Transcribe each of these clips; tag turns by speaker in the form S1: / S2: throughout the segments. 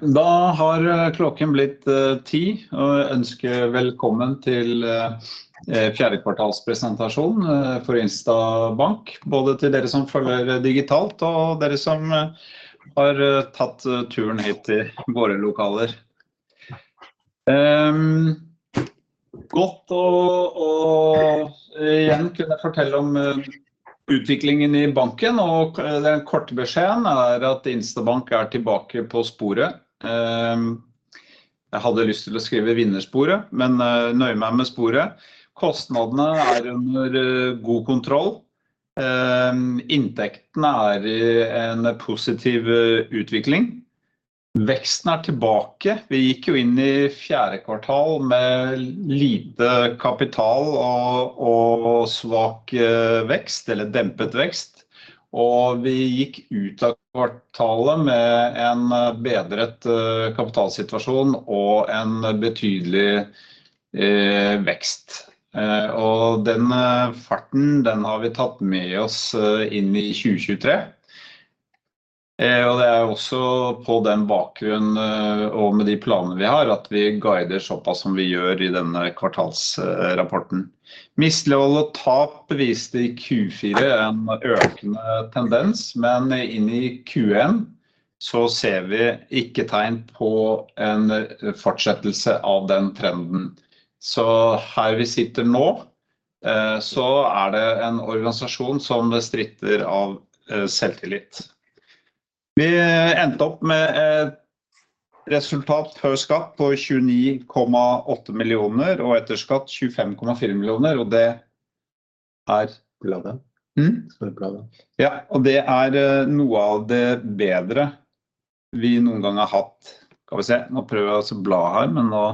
S1: Da har klokken blitt 10 og jeg ønsker velkommen til 4th quarter presentasjonen for Instabank. Både til dere som følger digitalt og dere som har tatt turen hit til våre lokaler. Godt å igjen kunne fortelle om utviklingen i banken, og den korte beskjeden er at Instabank er tilbake på sporet. Jeg hadde lyst til å skrive vinnersporet, men nøyer meg med sporet. Kostnadene er under god kontroll. Inntektene er i en positiv utvikling. Veksten er tilbake. Vi gikk jo inn i 4th quarter med lite kapital og svak vekst eller dempet vekst. Vi gikk ut av kvartalet med en bedret kapitalsituasjon og en betydelig vekst. Den farten den har vi tatt med oss inn i 2023. Det er også på den bakgrunn og med de planene vi har, at vi guider såpass som vi gjør i denne kvartalsrapporten. Mislighold og tap viste i Q4 en økende tendens. Inn i Q1 så ser vi ikke tegn på en fortsettelse av den trenden. Her vi sitter nå, så er det en organisasjon som stritter av selvtillit. Vi endte opp med et resultat før skatt på 29.8 million og etter skatt 25.4 million. Det er bra. Det er noe av det bedre vi noen gang har hatt. Skal vi se. Nå prøver jeg å bla her, nå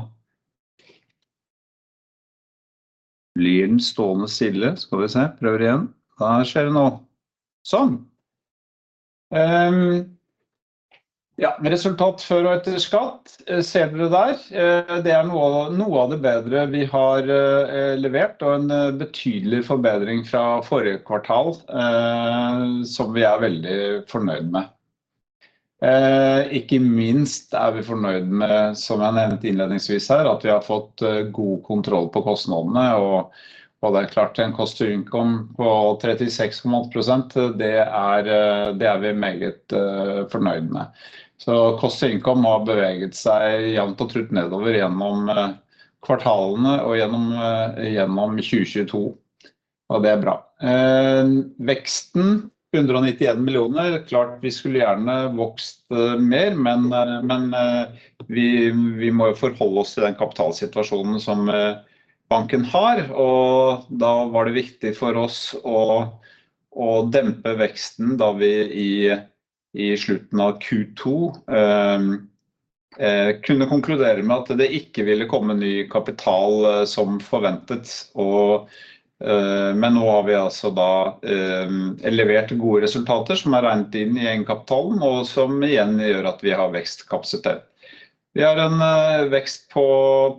S1: blir den stående stille. Skal vi se. Prøver igjen. Hva skjer nå? Resultat før og etter skatt ser dere der. Det er noe av det bedre vi har levert og en betydelig forbedring fra forrige kvartal som vi er veldig fornøyd med. Ikke minst er vi fornøyd med, som jeg nevnte innledningsvis her, at vi har fått god kontroll på kostnadene. Det er klart en cost income på 36.8% det er vi meget fornøyd med. Cost income nå har beveget seg jevnt og trutt nedover gjennom kvartalene og gjennom 2022. Det er bra. Veksten 191 million. Klart, vi skulle gjerne vokst mer, men vi må jo forholde oss til den kapitalsituasjonen som banken har. Da var det viktig for oss å dempe veksten da vi i slutten av Q2 kunne konkludere med at det ikke ville komme ny kapital som forventet. Nå har vi altså da levert gode resultater som er regnet inn i egenkapitalen, og som igjen gjør at vi har vekstkapasitet. Vi har en vekst på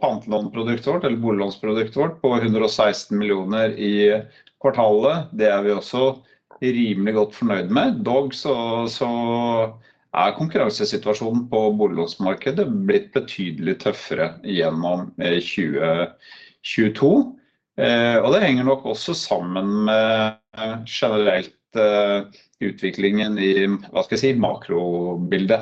S1: pantelånproduktet vårt eller boliglånsproduktet vårt på 116 million i kvartalet. Det er vi også rimelig godt fornøyd med. Dog så er konkurransesituasjonen på boliglånsmarkedet blitt betydelig tøffere gjennom 2022. Det henger nok også sammen med generelt utviklingen i, hva skal jeg si makrobildet.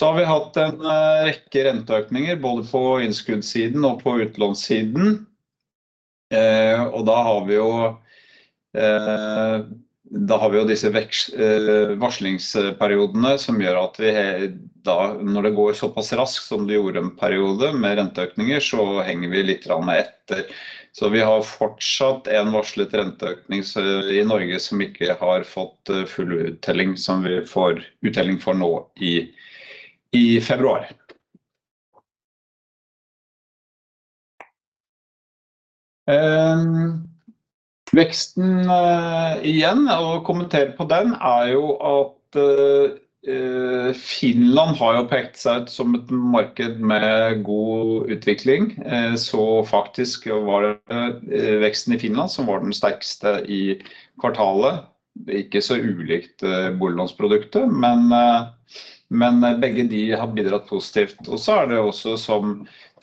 S1: Har vi hatt en rekke renteøkninger både på innskuddssiden og på utlånssiden. Da har vi jo disse varslingsperiodene som gjør at vi da når det går såpass raskt som det gjorde en periode med renteøkninger, så henger vi littegranne etter. Vi har fortsatt en varslet renteøkning i Norge som ikke har fått full uttelling, som vi får uttelling for nå i februar. Veksten igjen å kommentere på den er jo at Finland har jo pekt seg ut som et marked med god utvikling. Faktisk var det veksten i Finland som var den sterkeste i kvartalet. Ikke så ulikt boliglånsproduktet, men begge de har bidratt positivt. Det er også som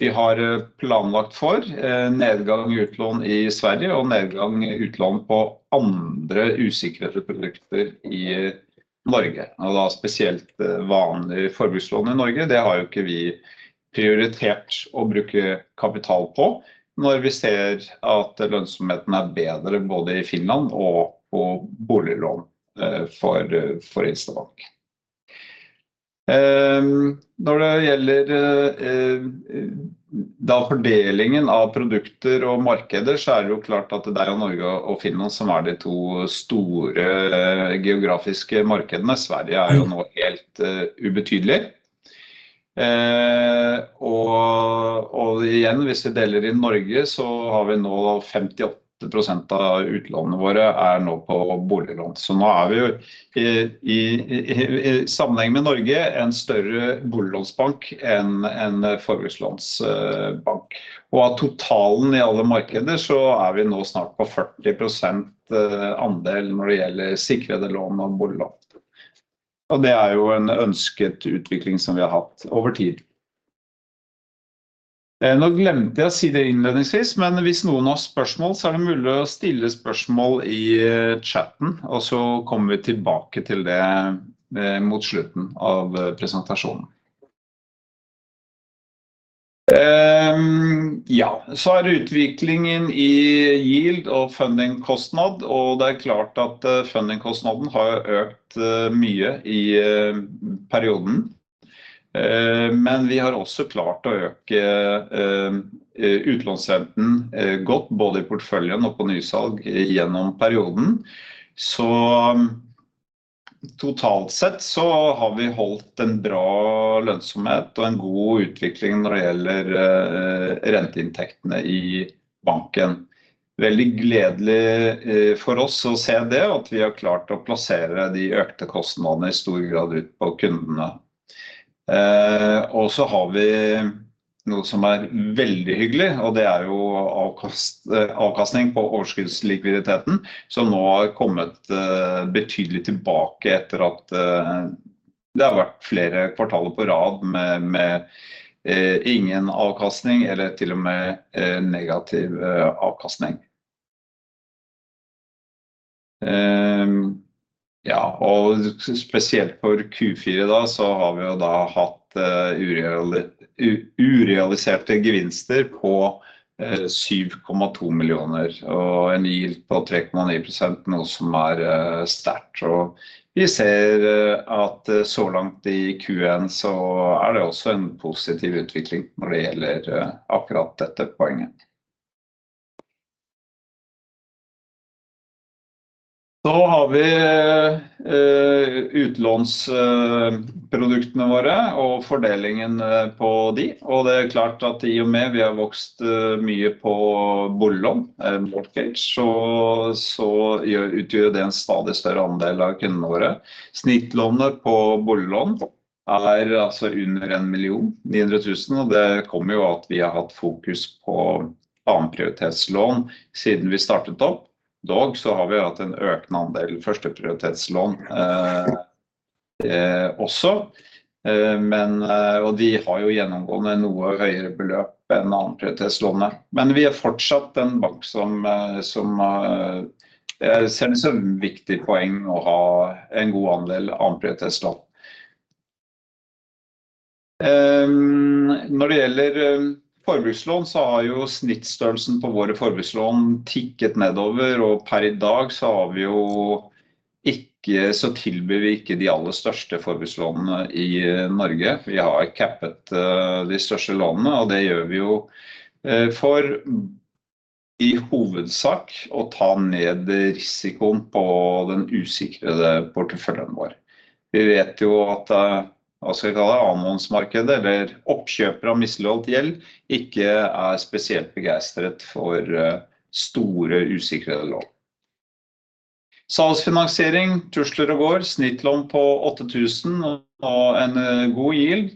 S1: vi har planlagt for nedgang i utlån i Sverige og nedgang i utlån på andre usikrede produkter i Norge, og da spesielt vanlige forbrukslån i Norge. Det har jo ikke vi prioritert å bruke kapital på når vi ser at lønnsomheten er bedre både i Finland og på boliglån for Instabank. Det gjelder da fordelingen av produkter og markeder, så er det jo klart at det er Norge og Finland som er de to store geografiske markedene. Sverige er jo nå helt ubetydelig. Igjen, hvis vi deler inn Norge så har vi nå 58% av utlånene våre er nå på boliglån. Nå er vi i sammenheng med Norge en større boliglånsbank enn en forbrukslånsbank. Av totalen i alle markeder er vi nå snart på 40% andel når det gjelder sikrede lån og boliglån. Det er en ønsket utvikling som vi har hatt over tid. Nå glemte jeg å si det innledningsvis, men hvis noen har spørsmål er det mulig å stille spørsmål i chatten, kommer vi tilbake til det mot slutten av presentasjonen. Utviklingen i yield og funding kostnad. Det er klart at funding kostnaden har økt mye i perioden. Vi har også klart å øke utlånsrenten godt både i porteføljen og på nysalg gjennom perioden. Totalt sett har vi holdt en bra lønnsomhet og en god utvikling når det gjelder renteinntektene i banken. Veldig gledelig for oss å se det at vi har klart å plassere de økte kostnadene i stor grad ut på kundene. Vi har noe som er veldig hyggelig, og det er jo avkastning på overskuddslikviditeten som nå har kommet betydelig tilbake etter at det har vært flere kvartaler på rad med ingen avkastning eller til og med negativ avkastning. Spesielt for Q4 da, så har vi jo da hatt urealiserte gevinster på 7.2 million og en yield på 3.9%, noe som er sterkt. Vi ser at så langt i Q1 så er det også en positiv utvikling når det gjelder akkurat dette poenget. Vi har utlånsproduktene våre og fordelingen på de. Det er klart at i og med vi har vokst mye på boliglån, mortgage, så utgjør det en stadig større andel av kundene våre. Snittlånet på boliglån er altså under 1.9 million, og det kommer jo at vi har hatt fokus på annenhånds lånet siden vi startet opp. Dog har vi jo hatt en økende andel førsteprioritetslån også. De har jo gjennomgående noe høyere beløp enn annenprioritetslånene. Vi er fortsatt en bank som ser det som viktig poeng å ha en god andel annenprioritetslån. Når det gjelder forbrukslån har jo snittstørrelsen på våre forbrukslån tikket nedover, per i dag har vi jo ikke, tilbyr vi ikke de aller største forbrukslånene i Norge. Vi har cappet de største lånene, og det gjør vi jo for i hovedsak å ta ned risikoen på den usikrede porteføljen vår. Vi vet jo at, hva skal vi kalle det annenhåndsmarkedet der oppkjøpere av misligholdt gjeld ikke er spesielt begeistret for store usikrede lån. Sales finance tusler og går. Snittlån på 8,000 NOK og en god yield.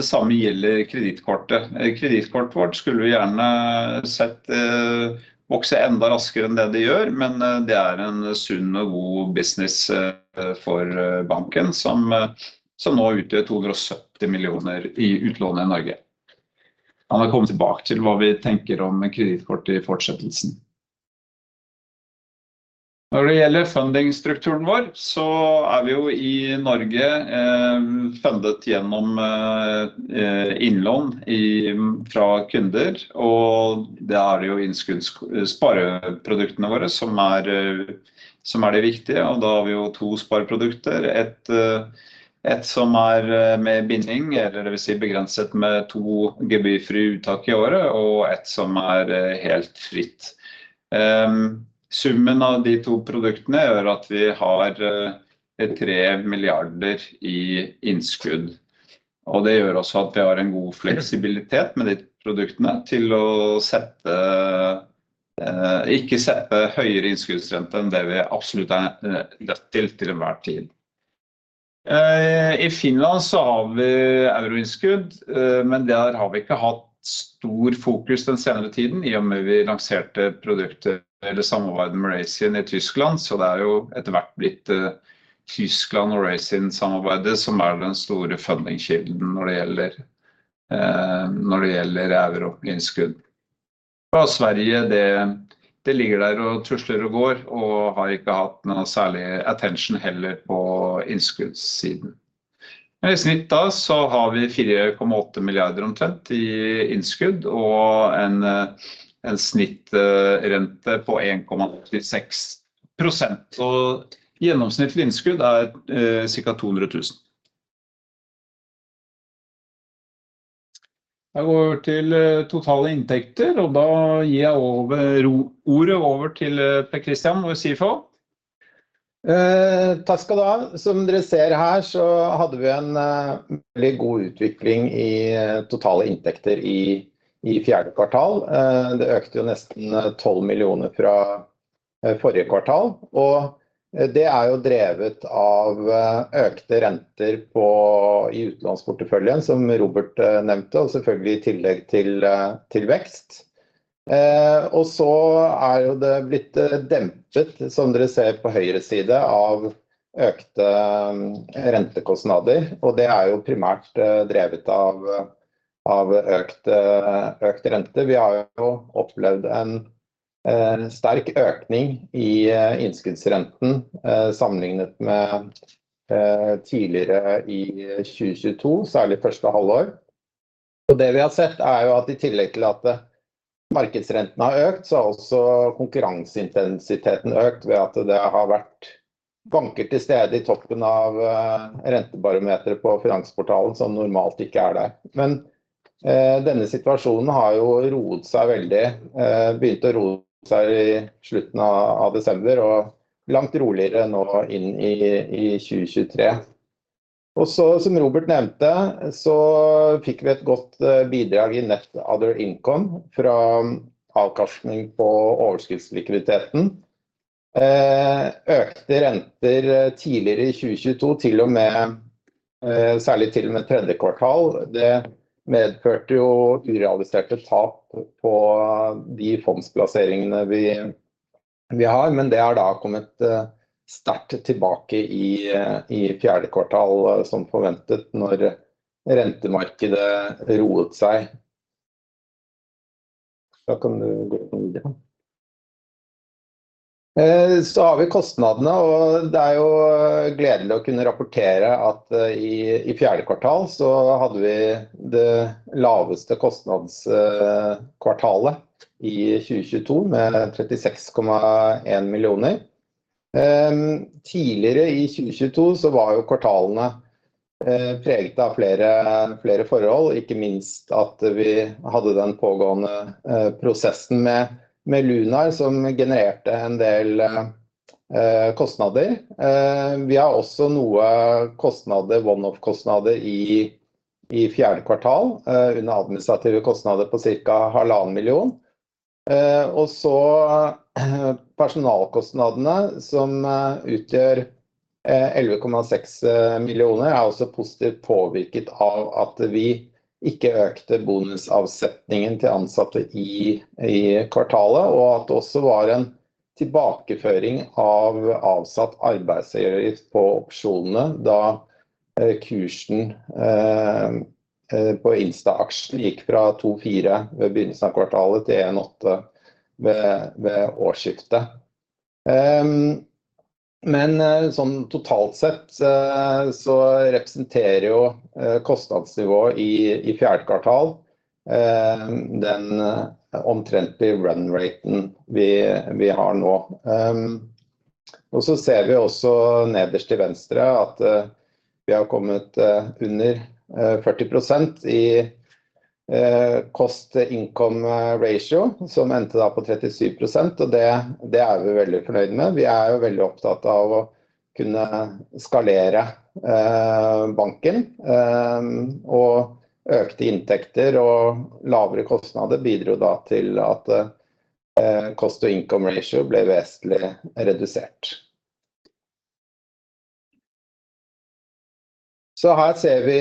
S1: Det samme gjelder kredittkortet. Kredittkortet vårt skulle vi gjerne sett vokse enda raskere enn det det gjør, men det er en sunn og god business for banken som nå utgjør 270 million i utlån i Norge. Han har kommet tilbake til hva vi tenker om kredittkort i fortsettelsen. Når det gjelder fundingstrukturen vår, så er vi jo i Norge fundet gjennom innlån i, fra kunder, og der er det jo innskudds spareproduktene våre som er de viktige. Da har vi jo to spareprodukter et som er med binding eller det vil si begrenset med to gebyrfri uttak i året og et som er helt fritt. Summen av de 2 produktene gjør at vi har 3 billion i innskudd. Det gjør også at vi har en god fleksibilitet med de produktene til ikke sette høyere innskuddsrente enn det vi absolutt er nødt til til enhver tid. I Finland har vi euroinnskudd, men der har vi ikke hatt stor fokus den senere tiden i og med vi lanserte produktet eller samarbeidet med Raisin i Tyskland. Det er jo etter hvert blitt Tyskland og Raisin samarbeidet som er den store fundingskilden når det gjelder euroinnskudd. Fra Sverige, det ligger der og tusler og går og har ikke hatt noe særlig attention heller på innskuddssiden. I snitt da har vi NOK 4.8 billion omtrent i innskudd og en snittrente på 1.86%, og gjennomsnittlig innskudd er cirka NOK 200,000.
S2: går vi over til totale inntekter, og da gir jeg over ordet over til Per Kristian og Siv.
S3: Takk skal du ha! Som dere ser her så hadde vi en veldig god utvikling i totale inntekter i fjerde kvartal. Det økte jo nesten NOK 12 millioner fra forrige kvartal, og det er jo drevet av økte renter på i utlånsporteføljen som Robert nevnte, og selvfølgelig i tillegg til vekst. Er jo det blitt dempet som dere ser på høyre side av økte rentekostnader. Det er jo primært drevet av økte renter. Vi har jo opplevd en sterk økning i innskuddsrenten sammenlignet med tidligere i 2022, særlig første halvår. Det vi har sett er jo at i tillegg til at markedsrenten har økt, så har også konkurranseintensiteten økt ved at det har vært banker til stede i toppen av rentebarometeret på Finansportalen som normalt ikke er der. Denne situasjonen har jo roet seg veldig, begynte å roe seg i slutten av desember og langt roligere nå inn i 2023. Som Robert nevnte så fikk vi et godt bidrag i Net other income fra avkasting på overskuddslikviditeten. Økte renter tidligere i 2022 til og med, særlig til og med tredje kvartal. Det medførte jo urealiserte tap på de fondsplasseringene vi har, men det har da kommet sterkt tilbake i fjerde kvartal som forventet når rentemarkedet roet seg. Kan du gå videre. Har vi kostnadene, og det er jo gledelig å kunne rapportere at i fjerde kvartal så hadde vi det laveste kostnadskvartalet i 2022 med 36.1 million. Tidligere i 2022 så var jo kvartalene preget av flere forhold, ikke minst at vi hadde den pågående prosessen med Lunar som genererte en del kostnader. Vi har også noe kostnader one-off kostnader i fjerde kvartal under administrative kostnader på cirka halvannen million. Personalkostnadene som utgjør NOK 11.6 million er også positivt påvirket av at vi ikke økte bonusavsetningen til ansatte i kvartalet, og at det også var en tilbakeføring av avsatt arbeidsgivergift på opsjonene da kursen på Instabank aksjen gikk fra 2.4 ved begynnelsen av kvartalet til 1.8 ved årsskiftet. Totalt sett så representerer jo kostnadsnivået i fjerde kvartal den omtrentlige run raten vi har nå. Ser vi også nederst til venstre at vi har kommet under 40% i cost income ratio, som endte da på 37%. Det er vi veldig fornøyd med. Vi er jo veldig opptatt av å kunne skalere banken, økte inntekter og lavere kostnader bidro da til at cost income ratio ble vesentlig redusert. Her ser vi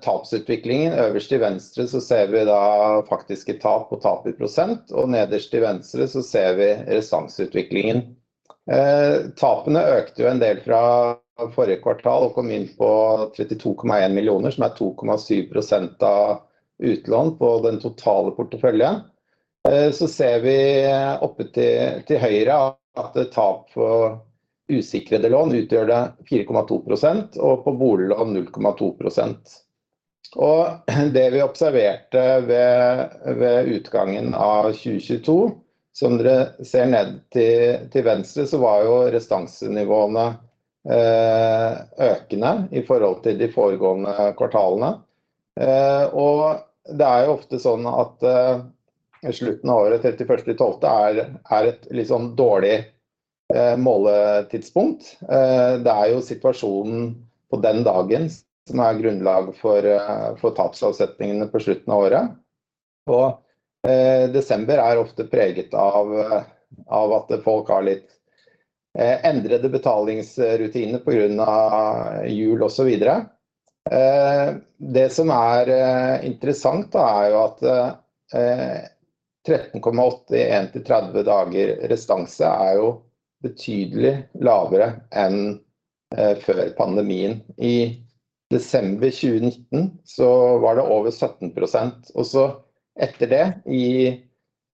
S3: tapsutviklingen. Øverst til venstre så ser vi da faktiske tap og tap i prosent, nederst til venstre så ser vi restanseutviklingen. Tapene økte jo en del fra forrige kvartal og kom inn på 32.1 million, som er 2.7% av utlån på den totale porteføljen. Ser vi oppe til høyre at tap på usikrede lån utgjorde 4.2% og på boliglån 0.2%. Det vi observerte ved utgangen av 2022, som dere ser ned til venstre, så var jo restansenivåene økende i forhold til de foregående kvartalene. Det er jo ofte sånn at slutten av året December 31st er et litt sånn dårlig måletidspunkt. Det er jo situasjonen på den dagen som er grunnlag for tapsavsetningene på slutten av året. Desember er ofte preget av at folk har litt endrede betalingsrutiner på grunn av jul og så videre. Det som er interessant da er jo at 13.8% i 1-30 days restanse er jo betydelig lavere enn før pandemien. I desember 2019 så var det over 17%. Etter det i 2020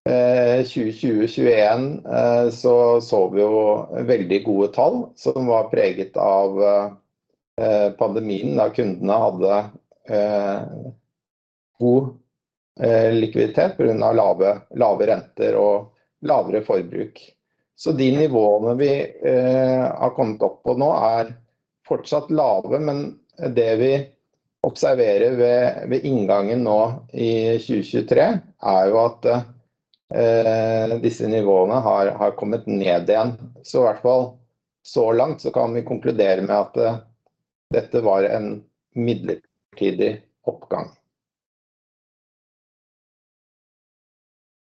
S3: 2021 så vi jo veldig gode tall som var preget av pandemien da kundene hadde god likviditet på grunn av lave renter og lavere forbruk. De nivåene vi har kommet opp på nå er fortsatt lave. Det vi observerer ved inngangen nå i 2023 er jo at disse nivåene har kommet ned igjen. I hvert fall så langt så kan vi konkludere med at dette var en midlertidig oppgang.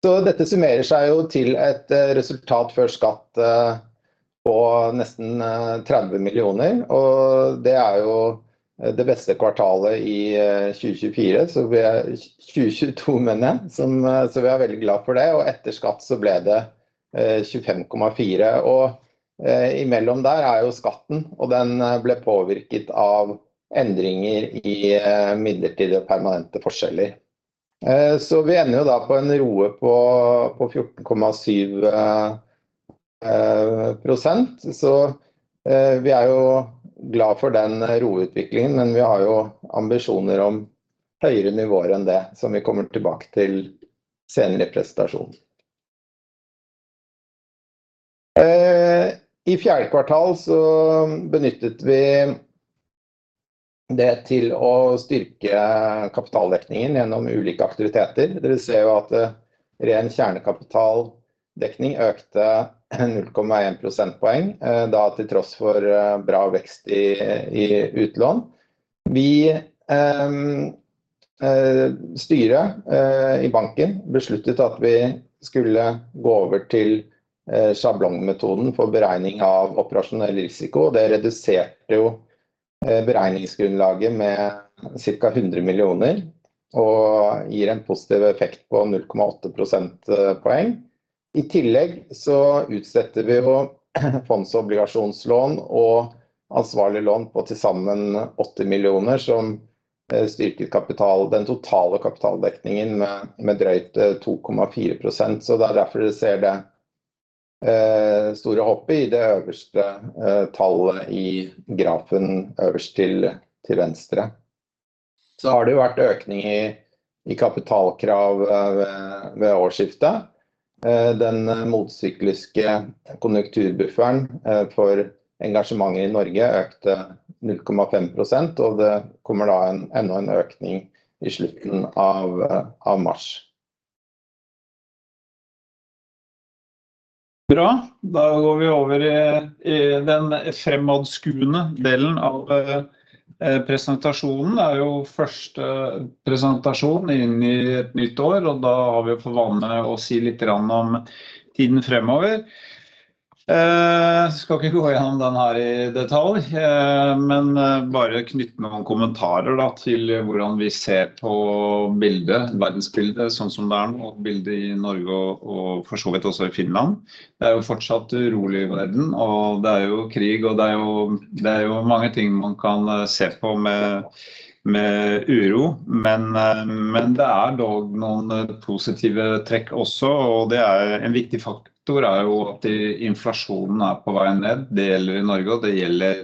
S3: Dette summerer seg jo til et resultat før skatt.
S1: Nesten NOK 30 million. Det er jo det beste kvartalet i 2024. 2022, mener jeg. Vi er veldig glad for det. Etter skatt ble det NOK 25.4, og imellom der er jo skatten, og den ble påvirket av endringer i midlertidige og permanente forskjeller. Vi ender jo da på en ROE på 14.7%. Vi er jo glade for den ROE utviklingen, men vi har jo ambisjoner om høyere nivåer enn det som vi kommer tilbake til senere i presentasjonen. I fjerde kvartal benyttet vi det til å styrke kapitaldekningen gjennom ulike aktiviteter. Dere ser jo at ren kjernekapitaldekning økte 0.1 percentage points, da til tross for bra vekst i utlån. Vi, styret i banken besluttet at vi skulle gå over til sjablongmetoden for beregning av operasjonell risiko. Det reduserte jo beregningsgrunnlaget med cirka 100 million og gir en positiv effekt på 0.8 percentage points. I tillegg utsetter vi jo fonds og obligasjonslån og ansvarlig lån på til sammen 80 million, som styrket kapital, den totale kapitaldekningen med drøyt 2.4%. Det er derfor dere ser det store hoppet i det øverste tallet i grafen øverst til venstre. Har det jo vært økning i kapitalkrav ved årsskiftet. Den motsykliske kapitalbufferen for engasjementet i Norge økte 0.5%, det kommer da en enda en økning i slutten av mars. Bra, da går vi over i den fremadskuende delen av presentasjonen. Det er jo first presentasjonen inn i et nytt år, da har vi for vane å si litt om tiden fremover. Jeg skal ikke gå gjennom den her i detalj, men bare knytte noen kommentarer da til hvordan vi ser på bildet, verdensbildet sånn som det er nå og bildet i Norge og for så vidt også i Finland. Det er jo fortsatt urolig i verden, og det er jo krig. Det er jo mange ting man kan se på med uro. Det er dog noen positive trekk også, og det er en viktig faktor er jo at inflasjonen er på vei ned. Det gjelder i Norge, og det gjelder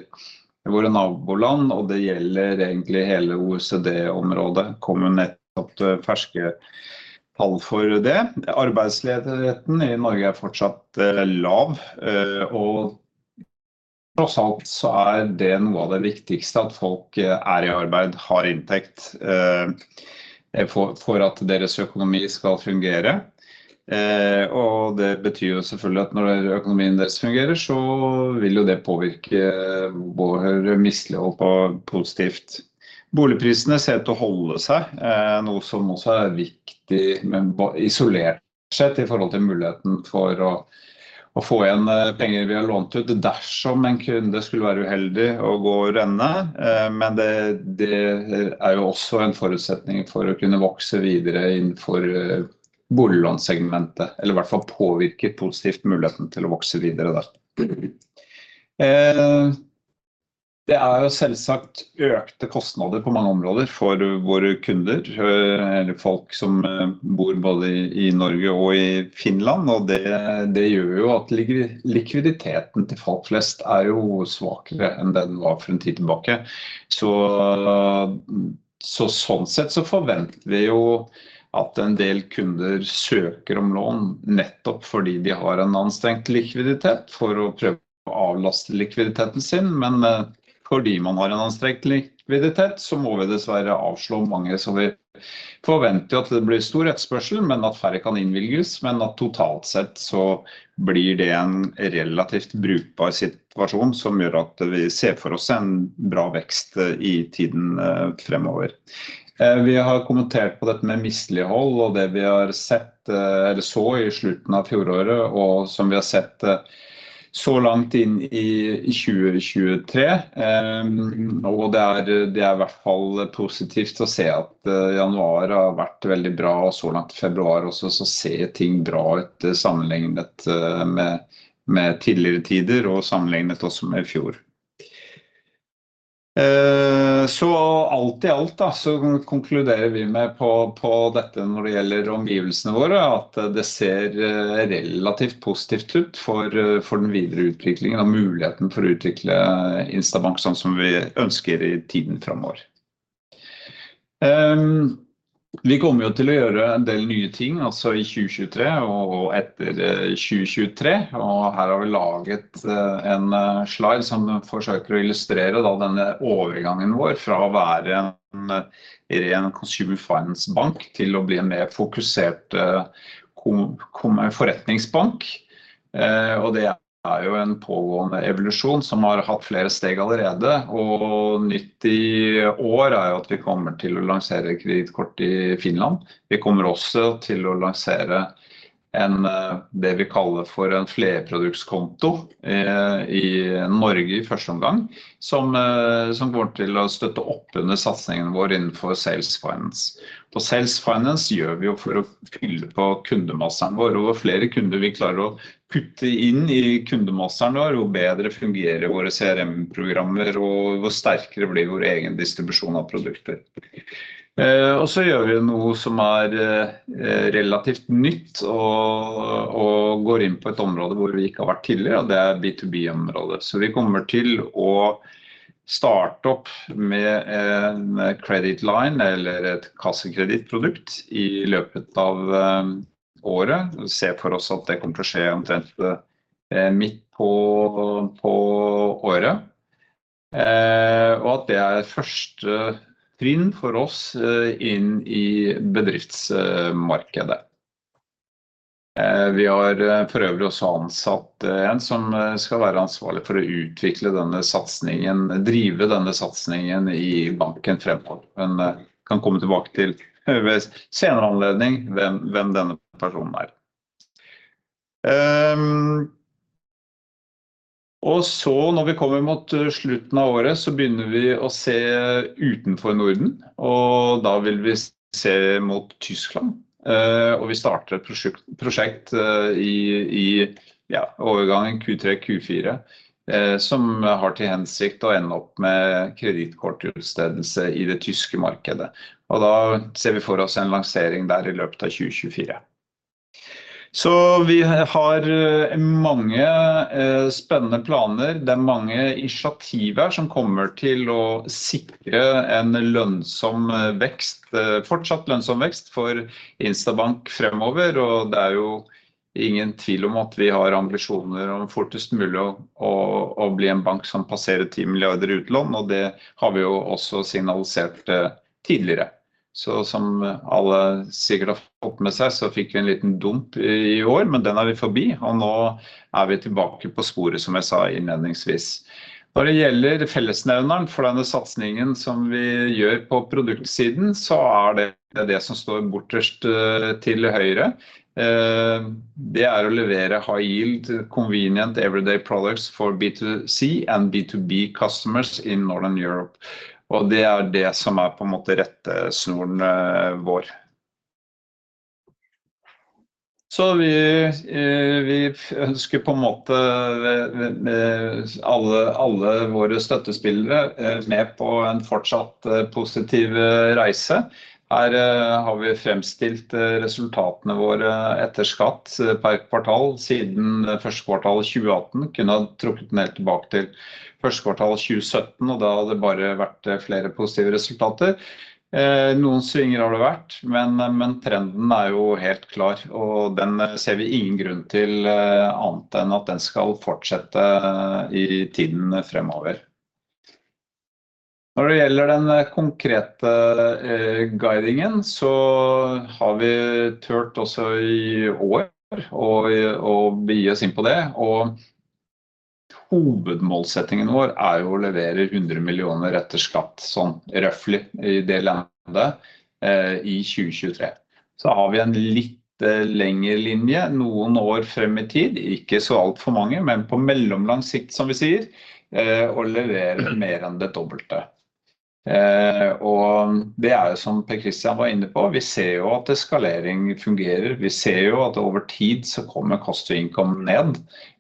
S1: våre naboland, og det gjelder egentlig hele OECD området. Kommer nettopp ferske tall for det. Arbeidsledigheten i Norge er fortsatt lav, og tross alt så er det noe av det viktigste at folk er i arbeid har inntekt. For at deres økonomi skal fungere. Det betyr jo selvfølgelig at når økonomien deres fungerer, så vil jo det påvirke både mislighold på positivt. Boligprisene ser ut til å holde seg, noe som også er viktig, men isolert sett i forhold til muligheten for å få igjen penger vi har lånt ut dersom en kunde skulle være uheldig og gå over ende. Det er jo også en forutsetning for å kunne vokse videre innenfor boliglån segmentet, eller i hvert fall påvirke positivt muligheten til å vokse videre der. Det er jo selvsagt økte kostnader på mange områder for våre kunder, eller folk som bor både i Norge og i Finland. Det gjør jo at likviditeten til folk flest er jo svakere enn den var for en tid tilbake. Sånn sett så forventer vi jo at en del kunder søker om lån nettopp fordi de har en anstrengt likviditet for å prøve å avlaste likviditeten sin. Fordi man har en anstrengt likviditet, så må vi dessverre avslå mange, så vi forventer at det blir stor etterspørsel, men at færre kan innvilges. At totalt sett så blir det en relativt brukbar situasjon som gjør at vi ser for oss en bra vekst i tiden fremover. Vi har kommentert på dette med mislighold og det vi har sett eller så i slutten av fjoråret og som vi har sett så langt inn i 2023. Det er, det er i hvert fall positivt å se at januar har vært veldig bra. Så langt i februar også så ser ting bra ut sammenlignet med tidligere tider og sammenlignet også med i fjor. Alt i alt da konkluderer vi med på dette når det gjelder omgivelsene våre, at det ser relativt positivt ut for den videre utviklingen og muligheten for å utvikle Instabank sånn som vi ønsker i tiden fremover. Vi kommer jo til å gjøre en del nye ting, altså i 2023 og etter 2023, og her har vi laget en slide som forsøker å illustrere da denne overgangen vår fra å være en ren Consumer Finance bank til å bli en mer fokusert forretningsbank. Det er jo en pågående evolusjon som har hatt flere steg allerede. Nytt i år er jo at vi kommer til å lansere kredittkort i Finland. Vi kommer også til å lansere det vi kaller for en flerproduktkonto i Norge i første omgang, som kommer til å støtte opp under satsingen vår innenfor sales finance og sales finance gjør vi jo for å fylle på kundemassen vår og flere kunder vi klarer å kutte inn i kundemassen vår, jo bedre fungerer våre CRM programmer og jo sterkere blir vår egen distribusjon av produkter. Så gjør vi noe som er relativt nytt og går inn på et område hvor vi ikke har vært tidligere, og det er B2B området. Vi kommer til å starte opp med en credit line eller et kassekredittprodukt i løpet av året. Ser for oss at det kommer til å skje omtrent midt på året, og at det er første trinn for oss inn i bedriftsmarkedet. Vi har forøvrig også ansatt en som skal være ansvarlig for å utvikle denne satsingen, drive denne satsingen i banken fremover. Men kan komme tilbake til ved en senere anledning hvem denne personen er. Så når vi kommer mot slutten av året så begynner vi å se utenfor Norden, og da vil vi se mot Tyskland. Og vi starter et prosjekt i ja overgangen Q3 Q4 som har til hensikt å ende opp med kredittkortutstedelse i det tyske markedet. Da ser vi for oss en lansering der i løpet av 2024. Vi har mange spennende planer. Det er mange initiativer som kommer til å sikre en lønnsom vekst fortsatt lønnsom vekst for Instabank fremover. Det er jo ingen tvil om at vi har ambisjoner om fortest mulig å bli en bank som passerer 10 billion utlån. Det har vi jo også signalisert tidligere. Som alle sikkert har fått med seg, så fikk vi en liten dump i år, men den er vi forbi og nå er vi tilbake på sporet som jeg sa innledningsvis. Når det gjelder fellesnevneren for denne satsingen som vi gjør på produktsiden, er det det som står borterst til høyre. Det er å levere High yield, convenient everyday products for B2C and B2B customers in northern Europe. Det er det som er på en måte rettesnoren vår. Vi ønsker på en måte med alle våre støttespillere med på en fortsatt positiv reise. Her har vi fremstilt resultatene våre etter skatt per kvartal siden første kvartal 2018. Kunne ha trukket den helt tilbake til første kvartal 2017, da hadde det bare vært flere positive resultater. Noen svinger har det vært, men trenden er jo helt klar, og den ser vi ingen grunn til annet enn at den skal fortsette i tiden fremover. Når det gjelder den konkrete guidingen så har vi tort også i år å begi oss inn på det, og hovedmålsettingen vår er jo å levere 100 million etter skatt sånn roughly i det lengde i 2023. Har vi en litt lenger linje noen år frem i tid. Ikke så alt for mange, men på mellomlang sikt, som vi sier. Å levere mer enn det dobbelte. Og det er jo som Per Kristian var inne på, vi ser jo at eskalering fungerer. Vi ser jo at over tid så kommer cost to income ned,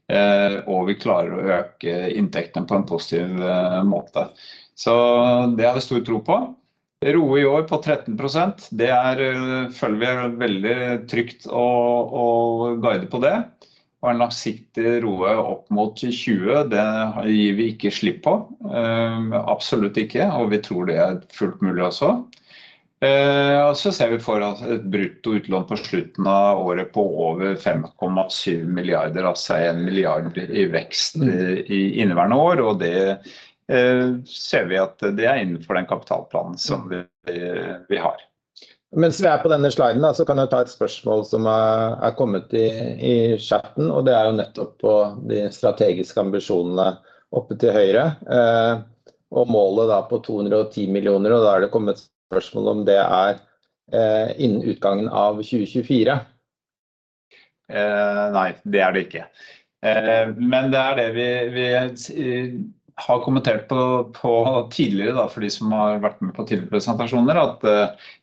S1: og vi klarer å øke inntektene på en positiv måte. Det har jeg stor tro på. ROE i år på 13%. Det føler vi veldig trygt å guide på det. En langsiktig ROE opp mot 20%. Det gir vi ikke slipp på. Absolutt ikke. Vi tror det er fullt mulig også. Så ser vi for oss et brutto utlån på slutten av året på over 5.7 billion, altså 1 billion i veksten i inneværende år. Det ser vi at det er innenfor den kapitalplanen som vi har.
S3: Mens vi er på denne sliden så kan jeg ta et spørsmål som er kommet i chatten. Det er jo nettopp på de strategiske ambisjonene oppe til høyre, og målet da på 210 million. Da er det kommet et spørsmål om det er innen utgangen av 2024.
S1: Nei, det er det ikke. Det er det vi har kommentert på tidligere da, for de som har vært med på tidligere presentasjoner, at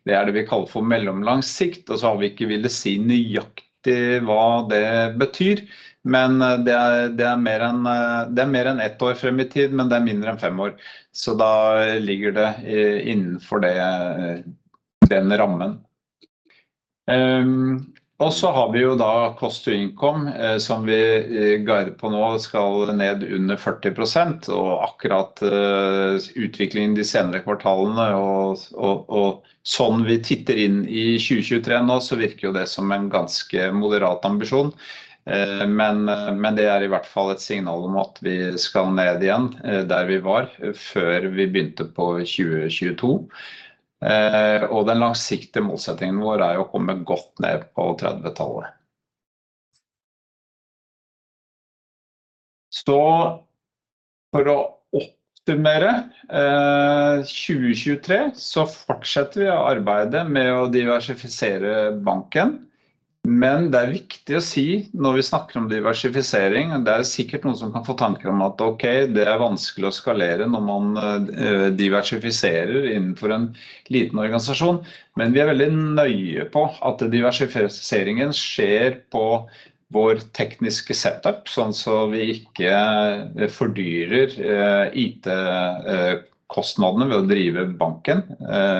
S1: det er det vi kaller for mellomlang sikt. Vi har ikke villet si nøyaktig hva det betyr. Det er mer enn 1 år frem i tid, men det er mindre enn 5 år. Da ligger det innenfor det den rammen. Vi har jo da cost to income som vi guider på nå skal ned under 40% og akkurat utviklingen de senere kvartalene og sånn vi titter inn i 2023 nå, så virker jo det som en ganske moderat ambisjon. Det er i hvert fall et signal om at vi skal ned igjen der vi var før vi begynte på 2022. Den langsiktige målsettingen vår er å komme godt ned på 30s. For å oppsummere, 2023 så fortsetter vi å arbeide med å diversifisere banken. Det er viktig å si når vi snakker om diversifisering, det er sikkert noen som kan få tanker om at okay, det er vanskelig å skalere når man diversifiserer innenfor en liten organisasjon. Vi er veldig nøye på at diversifiseringen skjer på vår tekniske setup. Sånn så vi ikke fordyrer IT kostnadene ved å drive banken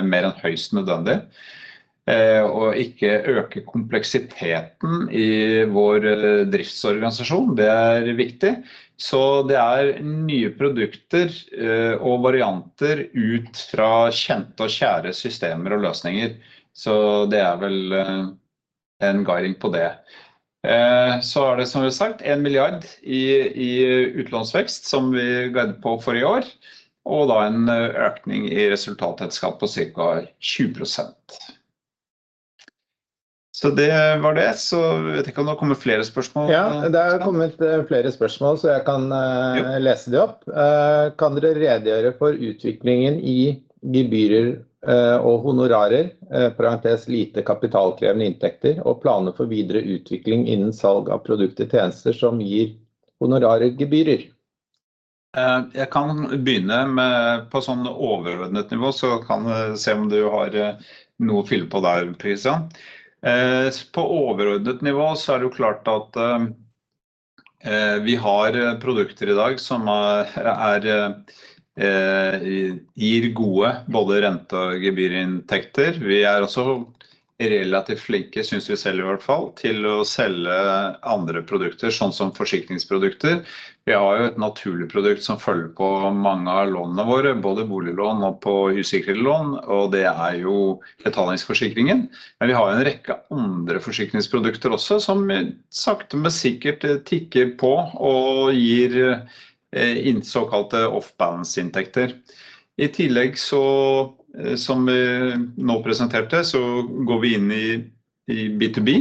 S1: mer enn høyst nødvendig, og ikke øke kompleksiteten i vår driftsorganisasjon. Det er viktig. Det er nye produkter og varianter ut fra kjente og kjære systemer og løsninger. Det er vel en guiding på det. Det er som sagt NOK 1 billion i utlånsvekst som vi guidet på for i år, og da en økning i resultatet skatt på cirka 20%. Det var det. Vet ikke om det har kommet flere spørsmål.
S3: Ja, det har kommet flere spørsmål så jeg kan lese de opp. kan dere redegjøre for utviklingen i gebyrer og honorarer parentes lite kapitalkrevende inntekter og planer for videre utvikling innen salg av produkter tjenester som gir honorarer gebyrer?
S1: Jeg kan begynne med på sånn overordnet nivå, så kan du se om du har noe å fylle på der, Christian. På overordnet nivå så er det jo klart at, vi har produkter i dag som er, gir gode både rente og gebyrinntekter. Vi er også relativt flinke synes vi selv i hvert fall til å selge andre produkter, sånn som forsikringsprodukter. Vi har jo et naturlig produkt som følger på mange av lånene våre, både boliglån og på usikrede lån, og det er jo betalingsforsikringen. Vi har en rekke andre forsikringsprodukter også, som sakte men sikkert tikker på og gir inn såkalte off balance inntekter. I tillegg så som vi nå presenterte så går vi inn i B2B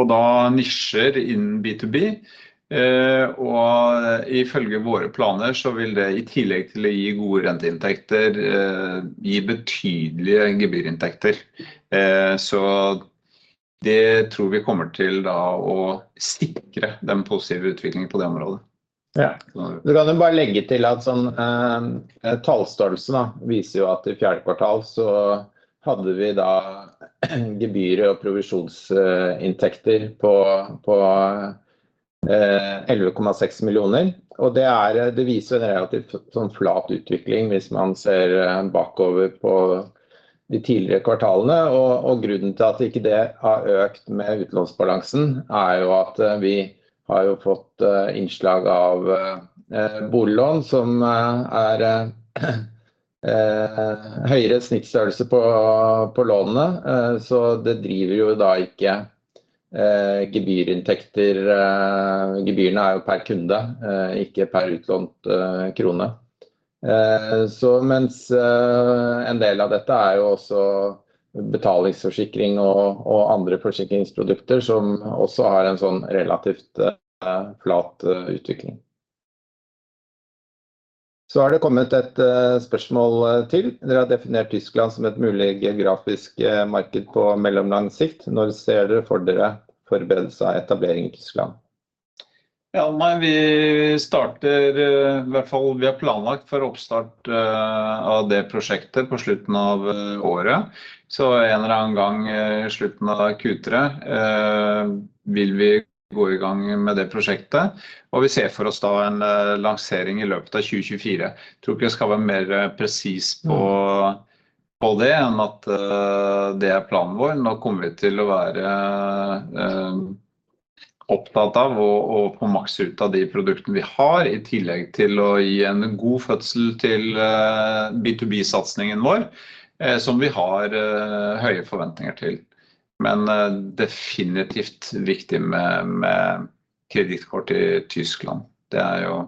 S1: og da nisjer innen B2B, og ifølge våre planer så vil det i tillegg til å gi gode renteinntekter gi betydelige gebyrinntekter. Det tror vi kommer til da å sikre den positive utviklingen på det området.
S3: Ja. Du kan jo bare legge til at sånn tallstørrelse da viser jo at i fjerde kvartal så hadde vi da gebyrer og provisjonsinntekter på 11.6 millioner, og det viser en relativt flat utvikling hvis man ser bakover på de tidligere kvartalene. Grunnen til at ikke det har økt med utlånsbalansen er jo at vi har jo fått innslag av boliglån som er høyere snittstørrelse på lånene. Det driver jo da ikke gebyrinntekter. Gebyrene er jo per kunde, ikke per utlånt krone. Mens en del av dette er jo også betalingsforsikring og andre forsikringsprodukter som også har en sånn relativt flat utvikling. Har det kommet et spørsmål til. Dere har definert Tyskland som et mulig geografisk marked på mellomlang sikt. Når ser dere for dere forberedelse av etablering i Tyskland?
S1: Vi starter i hvert fall vi har planlagt for oppstart av det prosjektet på slutten av året. En eller annen gang i slutten av Q3 vil vi gå i gang med det prosjektet, og vi ser for oss da en lansering i løpet av 2024. Tror ikke jeg skal være mer presis på det enn at det er planen vår. Nå kommer vi til å være opptatt av å få maks ut av de produktene vi har, i tillegg til å gi en god fødsel til B2B satsingen vår som vi har høye forventninger til, definitivt viktig med kredittkort i Tyskland. Det er jo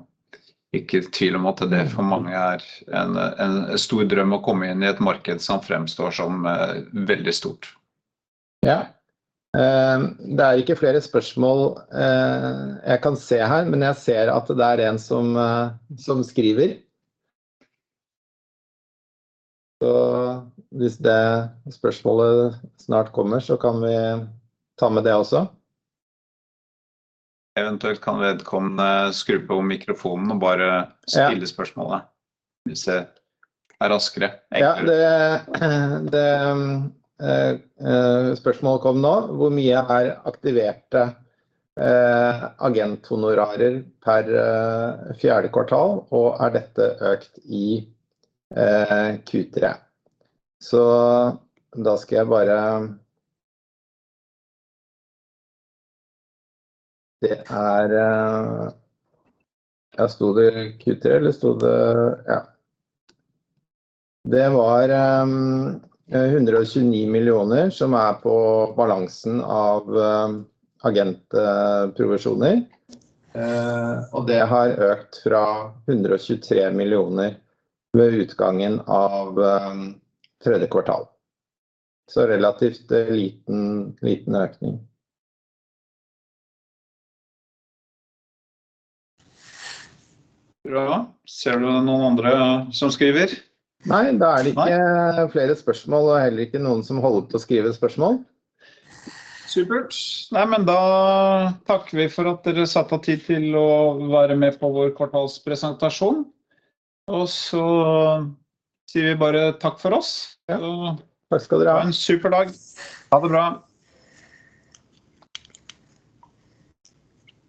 S1: ikke tvil om at det for mange er en stor drøm å komme inn i et marked som fremstår som veldig stort.
S3: Ja, det er ikke flere spørsmål, jeg kan se her, men jeg ser at det er en som skriver. Hvis det spørsmålet snart kommer så kan vi ta med det også.
S1: Eventuelt kan vedkommende skru på mikrofonen og bare stille spørsmålet hvis det er raskere og enklere.
S3: Det spørsmålet kom nå. Hvor mye er aktiverte agent honorarer per fourth quarter og er dette økt in Q3? Det var NOK 129 million som er på balansen av agentprovisjoner, og det har økt fra 123 million ved utgangen av third quarter. Relativt liten økning.
S1: Bra. Ser du noen andre som skriver?
S3: Nei, da er det ikke flere spørsmål og heller ikke noen som holder på å skrive spørsmål.
S1: Supert! Nei, da takker vi for at dere satte av tid til å være med på vår kvartalspresentasjon. Så sier vi bare takk for oss og.
S3: Takk skal dere ha!
S1: Ha en super dag! Ha det bra!